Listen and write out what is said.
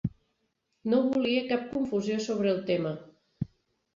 No volia cap confusió sobre el tema.